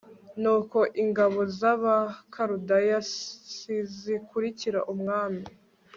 Nuko ingabo z Abakaludaya s zikurikira umwami